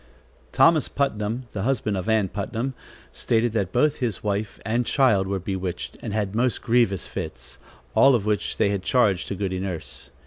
Thomas Putnam, the husband of Ann Putnam, stated that both his wife and child were bewitched and had most grievous fits, all of which they charged to Goody Nurse.